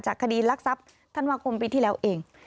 จากคดีลักษัพฯท่านวังกลมปีที่แล้วเอง